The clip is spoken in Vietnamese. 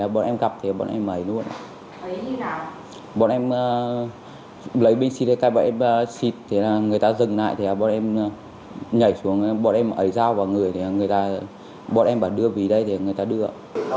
bọn em bảo đưa ví đây thì người ta đưa